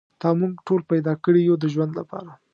تا موږ ټول پیدا کړي یو د ژوند لپاره.